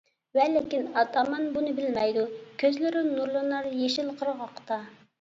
ۋە لېكىن ئاتامان بۇنى بىلمەيدۇ، كۆزلىرى نۇرلىنار يېشىل قىرغاقتا.